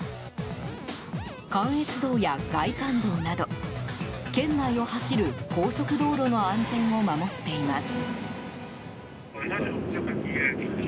関越道や外環道など県内を走る高速道路の安全を守っています。